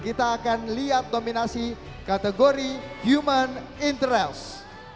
kita akan lihat nominasi kategori human interest